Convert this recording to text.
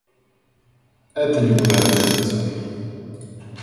Это никуда не годится.